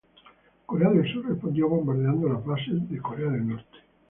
Corea del Sur respondió bombardeando las bases de Corea del Norte.